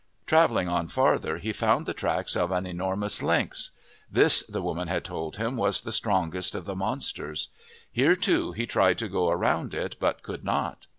Travelling on farther, he found the tracks of an enormous lynx. This the women had told him was the strongest of the monsters. Here, too, he tried to go around it but could not.